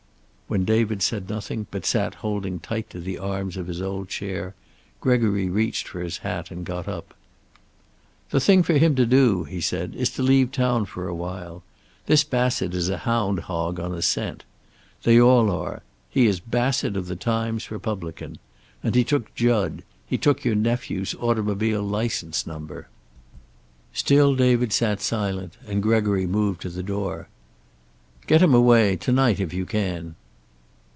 When David said nothing, but sat holding tight to the arms of his old chair, Gregory reached for his hat and got up. "The thing for him to do," he said, "is to leave town for a while. This Bassett is a hound hog on a scent. They all are. He is Bassett of the Times Republican. And he took Jud he took your nephew's automobile license number." Still David sat silent, and Gregory moved to the door. "Get him away, to night if you can."